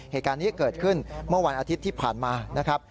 เหตุการณ์นี้เกิดขึ้นเมื่อวันอาทิตย์ที่ผ่านมานะครับ